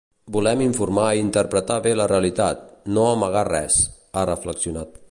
Volem informar i interpretar bé la realitat, no amagar res, ha reflexionat.